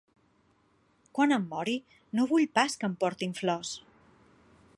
Quan em mori no vull pas que em portin flors.